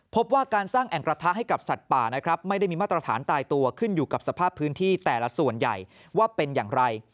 พบว่าการสร้างแอ่งกระทะให้กับสัตว์ป่านะครับไม่ได้มีมาตรฐานตายตัวขึ้นอยู่กับสภาพพื้นที่แต่ละส่วนใหญ่ว่าเป็นอย่างไร